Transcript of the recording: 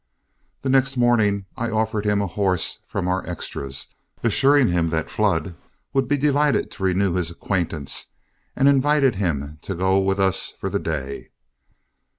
The next morning I offered him a horse from our extras, assuring him that Flood would be delighted to renew his acquaintance, and invited him to go with us for the day.